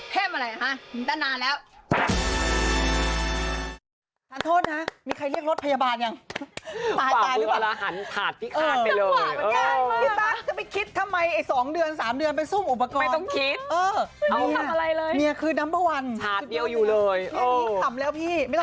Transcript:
เพศอะไรอ่ะฮะหยุดตั้งนานแล้ว